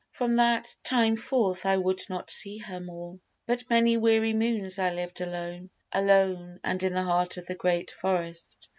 II From that time forth I would not see her more, But many weary moons I lived alone Alone, and in the heart of the great forest.